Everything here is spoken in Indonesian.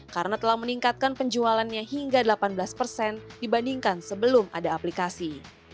karena telah meningkatkan penjualannya hingga delapan belas dibandingkan sebelum ada aplikasi